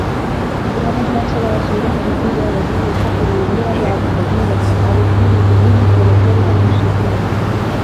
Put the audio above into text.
هُوَ الَّذِي أَرْسَلَ رَسُولَهُ بِالْهُدَى وَدِينِ الْحَقِّ لِيُظْهِرَهُ عَلَى الدِّينِ كُلِّهِ وَلَوْ كَرِهَ الْمُشْرِكُونَ